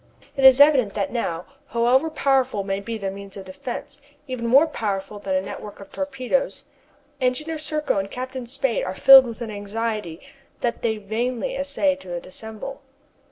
It is evident that now, however powerful may be their means of defence, even more powerful than a network of torpedoes, Engineer Serko and Captain Spade are filled with an anxiety that they vainly essay to dissemble.